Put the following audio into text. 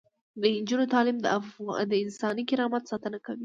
د نجونو تعلیم د انساني کرامت ساتنه کوي.